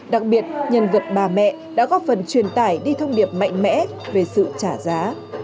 đặc biệt nhân vật bà mẹ đã góp phần truyền tải đi thông điệp mạnh mẽ về sự trả giá